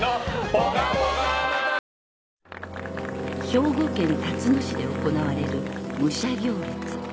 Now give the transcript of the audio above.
［兵庫県たつの市で行われる武者行列］